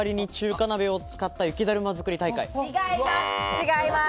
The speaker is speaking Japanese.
違います。